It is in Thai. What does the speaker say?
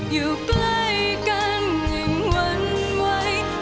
อยู่ใกล้กันอย่างหวั่นไหว